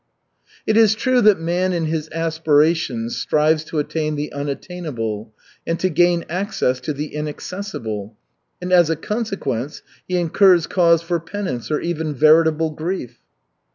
"It is true that man in his aspirations strives to attain the unattainable and to gain access to the inaccessible; and as a consequence he incurs cause for penance, or even veritable grief."